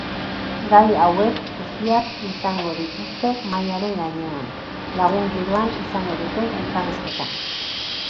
Gai hauek guztiak izango dituzte mahaiaren gainean, lagun giroan izango duten elkarrizketan.